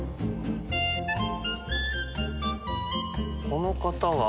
この方は？